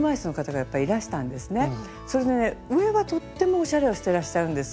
それで上はとってもおしゃれをしてらっしゃるんですよ。